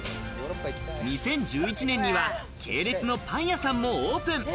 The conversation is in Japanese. ２０１１年には系列のパン屋さんもオープン。